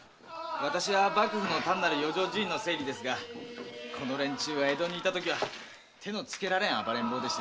私は幕府の単なる余剰人員の整理ですがこの連中は江戸にいたときは手のつけられん暴れん坊でして。